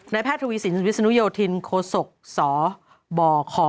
แพทย์ทวีสินวิศนุโยธินโคศกสบค